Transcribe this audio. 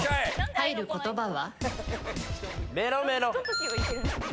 入る言葉は？